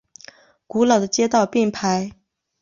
古老的街道并排。